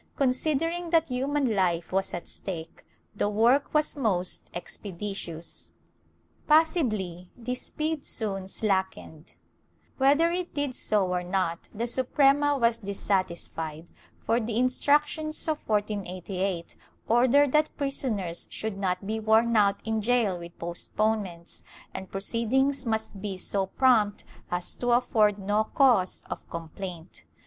Considering that human life was at stake, the work was most expeditious.^ Possibly this speed soon slackened; whether it did so or not, the Suprema was dissatisfied, for the Instructions of 1488 ordered that prisoners should not be worn out in gaol with postponements, and proceedings must be so prompt as to afford no cause of com plaint.